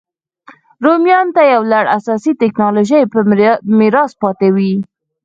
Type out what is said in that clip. رومیانو ته یو لړ اساسي ټکنالوژۍ په میراث پاتې وې